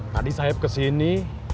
tadi saya kesini